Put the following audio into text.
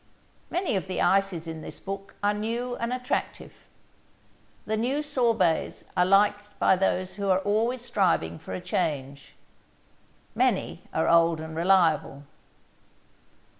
Many of the ices in this book are new and attractive. The new sorbets are liked by those who are always striving for a change. Many are old and reliable.